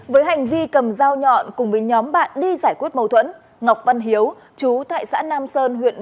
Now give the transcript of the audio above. với hành vi cầm dao nhọn cùng với nhóm bạn đi giải quyết mâu thuẫn ngọc văn hiếu chú tại xã nam sơn huyện văn hải đã tìm ra một người đàn ông